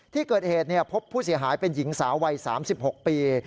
ที่เกิดเหตุพบผู้เสียหายเป็นหญิงสาววัย๓๖ปี